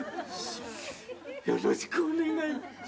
よろしくお願い申し上げます。